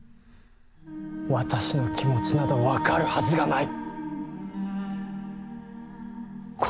私の気持ちなど分かるはずがない。